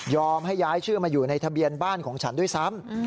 ให้ย้ายชื่อมาอยู่ในทะเบียนบ้านของฉันด้วยซ้ำ